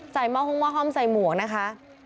ใส่เมาะหุ้งว่าหอมใส่หมวกนะคะ